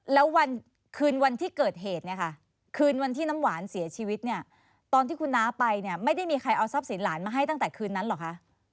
แล้ววันคืนวันที่เกิดเหตุเนี่ยค่ะคืนวันที่น้ำหวานเสียชีวิตเนี่ยตอนที่คุณน้าไปเนี่ยไม่ได้มีใครเอาทรัพย์สินหลานมาให้ตั้งแต่คืนนั้นเหรอคะ